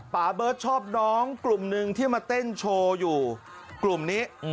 เบิร์ตชอบน้องกลุ่มหนึ่งที่มาเต้นโชว์อยู่กลุ่มนี้